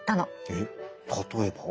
えっ例えば？